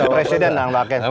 presiden yang pake presiden